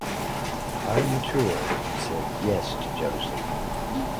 I matured and said yes to Joseph.